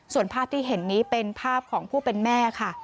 ส่วนภาพที่เห็นนี้เป็นภาพของผู้เป็นแม่ค่ะ